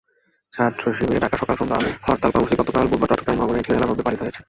ছাত্রশিবিরের ডাকা সকাল-সন্ধ্যা হরতাল কর্মসূচি গতকাল বুধবার চট্টগ্রাম নগরে ঢিলেঢালাভাবে পালিত হয়েছে।